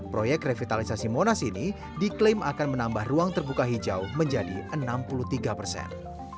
proyek revitalisasi monas ini diklaim akan menambah ruang terbuka hijau menjadi enam puluh tiga persen